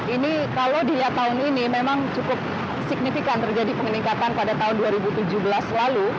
ini kalau dilihat tahun ini memang cukup signifikan terjadi peningkatan pada tahun dua ribu tujuh belas lalu